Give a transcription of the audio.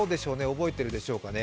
覚えているでしょうかね？